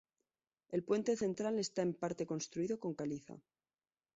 El puente central está en parte construido con caliza.